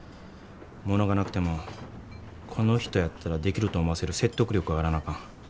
物がなくてもこの人やったらできると思わせる説得力があらなあかん。